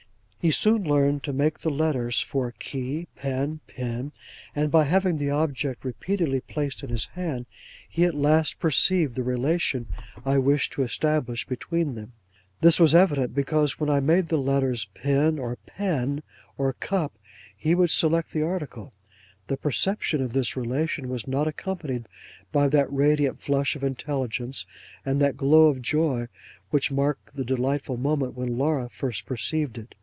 He soon learned to make the letters for key, pen, pin; and by having the object repeatedly placed in his hand, he at last perceived the relation I wished to establish between them. This was evident, because, when I made the letters pin, or pen, or cup, he would select the article. 'The perception of this relation was not accompanied by that radiant flash of intelligence, and that glow of joy, which marked the delightful moment when Laura first perceived it.